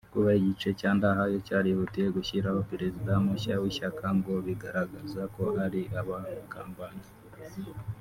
kuba igice cya Ndahayo cyarihutiye gushyiraho perezida mushya w’ishyaka ngo bigaragaza ko ari abagambanyi